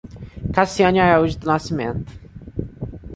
Cassiane Araújo do Nascimento